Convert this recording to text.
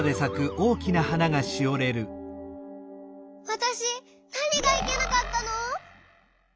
わたしなにがいけなかったの！？